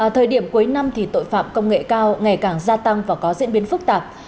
thời điểm cuối năm thì tội phạm công nghệ cao ngày càng gia tăng và có diễn biến phức tạp